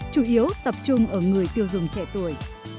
chủ yếu tập trung ở người tiêu dùng trẻ tuổi